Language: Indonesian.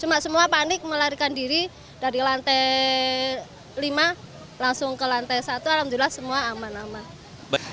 cuma semua panik melarikan diri dari lantai lima langsung ke lantai satu alhamdulillah semua aman aman